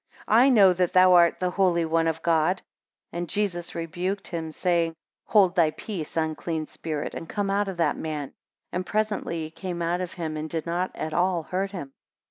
I know that thou art the Holy One of God. 31 And Jesus rebuked him, saying, Hold thy peace, unclean spirit, and come out of the man; and presently he came out of him, and did not at all hurt him.